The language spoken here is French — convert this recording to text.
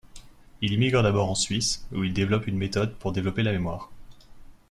Il émigre d'abord en Suisse, où il développe une méthode pour développer la mémoire.